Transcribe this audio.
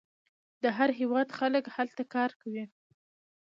د هر هیواد خلک هلته کار کوي.